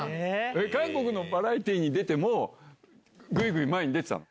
韓国のバラエティーに出ても、ぐいぐい前に出てたの？